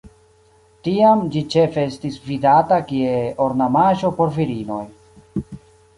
Tiam ĝi ĉefe estis vidata kie ornamaĵo por virinoj.